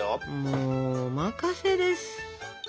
もうお任せです。